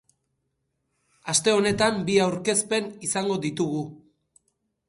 Aste honetan bi aurkezpen izango ditugu.